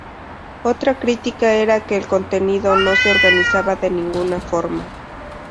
Otra crítica era que el contenido no se organizaba de ninguna forma.